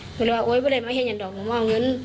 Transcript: หนูก็เลยว่าโอ๊ยไม่เห็นยังดอกหนูมองเงิน